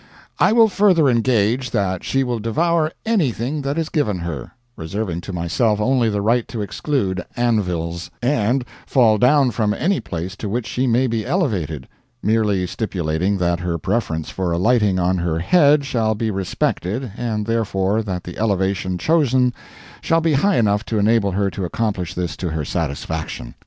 I will further engage that she will devour anything that is given her (reserving to myself only the right to exclude anvils), and fall down from any place to which she may be elevated (merely stipulating that her preference for alighting on her head shall be respected, and, therefore, that the elevation chosen shall be high enough to enable her to accomplish this to her satisfaction).